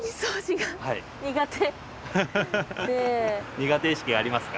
苦手意識ありますか？